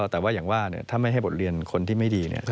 แต่ว่าอย่างว่าถ้าไม่ให้บทเรียนคนที่ไม่ดี